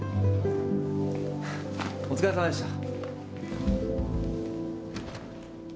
お疲れさまでした。